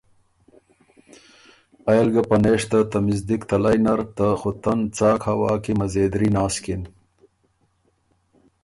ائ ال ګه پنېشته ته مِزدِک تَلئ نر ته خُوتن څاک هوا کی مزېدري ناسکِن